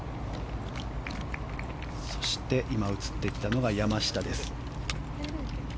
そして、映ってきたのは山下です。